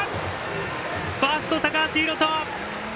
ファースト、高橋海翔！